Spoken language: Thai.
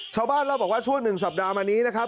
ชาวบ้านเล่าบอกว่าช่วง๑สัปดาห์มานี้นะครับ